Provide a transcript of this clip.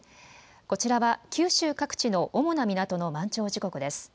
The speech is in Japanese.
こちらは、九州各地の主な港の満潮時刻です。